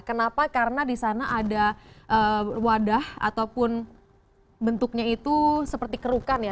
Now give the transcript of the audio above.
kenapa karena di sana ada wadah ataupun bentuknya itu seperti kerukan ya